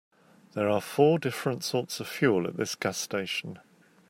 There are four different sorts of fuel at this gas station.